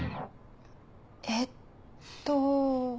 えっと。